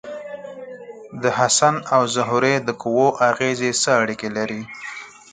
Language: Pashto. د حسن او زهرې د قوو اغیزې څه اړیکې لري؟